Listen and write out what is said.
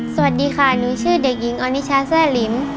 สวัสดีค่ะหนูชื่อเด็กหญิงออนิชาแซ่หลิม